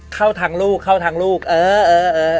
เข้าทางลูกเข้าทางลูกเออเออ